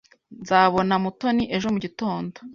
Nzabona Mutoni ejo mugitondo.